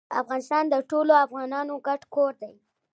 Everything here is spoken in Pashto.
افغانستان د ټولو افغانانو ګډ کور ده.